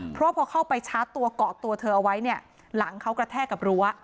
เพราะพอเข้าไปชาร์จตัวเกาะตัวเธอเอาไว้เนี่ยหลังเขากระแทกกับรั้ว